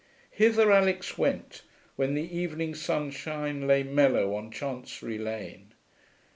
Hither Alix went, when the evening sunshine lay mellow on Chancery Lane.